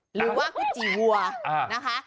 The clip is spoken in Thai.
หรือว่าก๋วจีวัวนะคะ